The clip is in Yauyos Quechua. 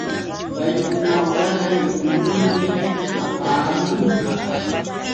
Paykuna waray muyunmi hapaamunqa.